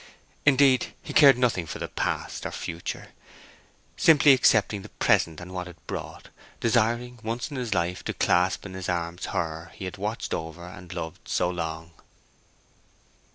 Indeed, he cared for nothing past or future, simply accepting the present and what it brought, desiring once in his life to clasp in his arms her he had watched over and loved so long.